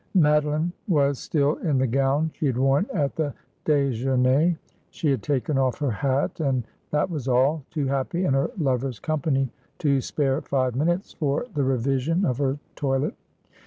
Madeline was still in the gown she had worn at the dejeuner. She had taken ofE her hat, and that was all, too happy in her lover's company to spare five minutes for the revision of her toilet.